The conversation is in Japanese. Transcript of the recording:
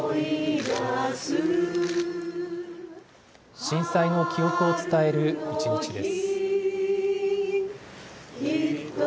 震災の記憶を伝える一日です。